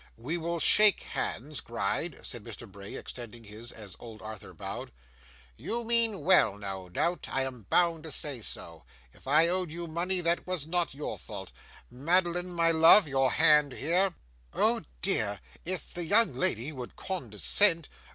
'We will shake hands, Gride,' said Mr. Bray, extending his, as old Arthur bowed. 'You mean well, no doubt. I am bound to say so now. If I owed you money, that was not your fault. Madeline, my love, your hand here.' 'Oh dear! If the young lady would condescent!